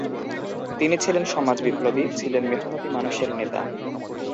তিনি ছিলেন সমাজ বিপ্লবী, ছিলেন মেহনতি মানুষের নেতা।